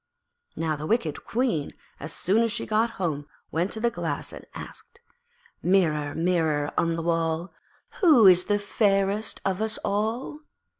Now the wicked Queen, as soon as she got home, went to the Glass and asked 'Mirror, Mirror on the wall, Who is fairest of us all?'